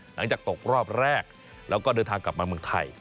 หลังจากตกรอบแรกแล้วก็เดินทางกลับมาเมืองไทย